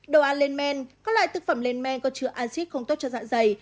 đồ ăn lên men các loại thực phẩm lên men có chứa acid không tốt cho dạ dày